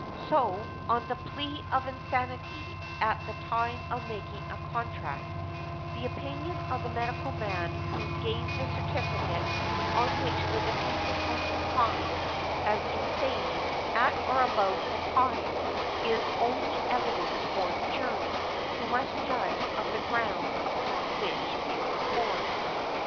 So, on the plea of insanity at the time of making a contract, the opinion of the medical man who gave the certificate on which the defendant was confined as insane at or about the time, is only evidence for the jury, who must judge of the grounds upon which it was formed .